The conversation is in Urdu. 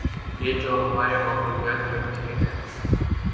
یہ جو ہمارے ماحولیات کے مشیر ہیں۔